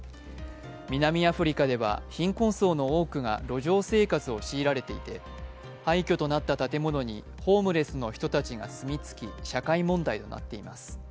南アフリカでは貧困層の多くが路上生活を強いられていて廃虚となった建物にホームレスの人たちが住み着き社会問題となっています。